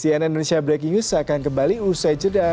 cnn indonesia breaking news akan kembali usai jeda